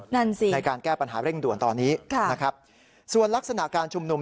นั่นสิในการแก้ปัญหาเร่งด่วนตอนนี้นะครับส่วนลักษณะการชุมนุม